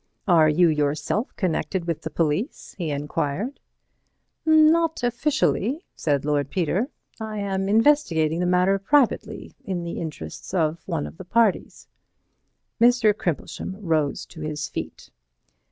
"Are you yourself connected with the police?" he enquired. "Not officially," said Lord Peter. "I am investigating the matter privately, in the interests of one of the parties." Mr. Crimplesham rose to his feet.